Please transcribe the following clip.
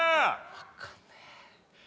わかんねえ。